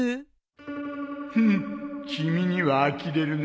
フンッ君にはあきれるな